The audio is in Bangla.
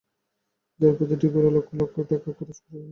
যার প্রতিটি ঘোড়া লক্ষ-লক্ষ টাকা খরচ করে কেনা।